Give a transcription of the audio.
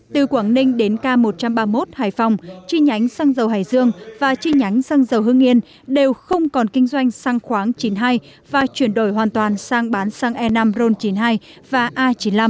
từ quảng ninh đến k một trăm ba mươi một hải phòng chi nhánh xăng dầu hải dương và chi nhánh xăng dầu hương yên đều không còn kinh doanh xăng khoáng chín mươi hai và chuyển đổi hoàn toàn sang bán xăng e năm ron chín mươi hai và a chín mươi năm